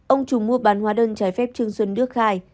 ông trùng mua bán hóa đơn trái phép trương xuân đức khai